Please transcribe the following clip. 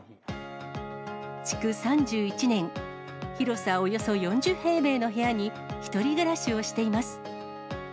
築３１年、広さおよそ４０平米の部屋に１人暮らしをしています。